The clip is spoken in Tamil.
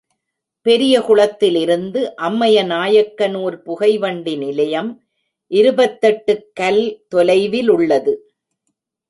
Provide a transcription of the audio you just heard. பெரிய குளத்திலிருந்து அம்மைய நாயக்கனூர் புகை வண்டி நிலையம் இருபத்தெட்டு கல் தொலைவிலுள்ளது.